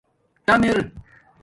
ٹآم اِر